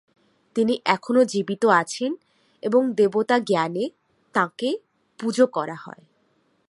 তিনি এখনও জীবিত আছেন এবং দেবতা জ্ঞানে তাঁকে পুজো করা হয়।